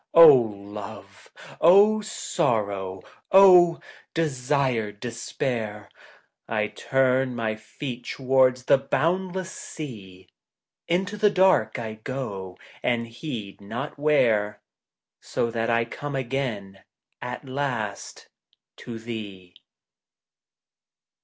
Love ! O Sorrow ! O desired Despair ! 1 turn my feet towards the boundless sea, Into the dark I go and heed not where, So that I come again at last to thee.